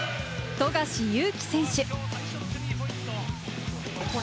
富樫勇樹選手。